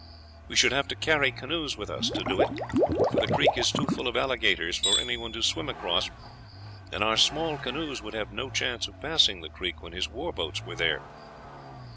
We should have to carry canoes with us, to do it, for the creek is too full of alligators for anyone to swim across, and our small canoes would have no chance of passing the creek when his war boats were there."